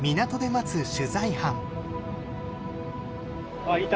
あっいた。